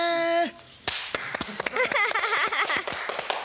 アハハハハ。